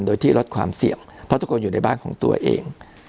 โดยที่ลดความเสี่ยงเพราะทุกคนอยู่ในบ้านของตัวเอง